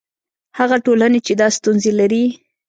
هغه ټولنې چې دا ستونزې لري.